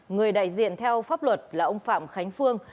người đại diện theo pháp luật là ông phạm khánh phương